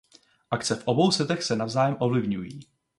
Akce v obou světech se navzájem ovlivňují.